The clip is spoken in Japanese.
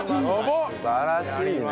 素晴らしいね。